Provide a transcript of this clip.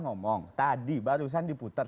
ngomong tadi barusan diputar